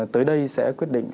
tới đây sẽ quyết định